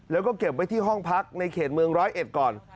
แล้วก็เก็บไว้ที่ห้องพักในเขตเมืองร้อยเอ็ดก่อน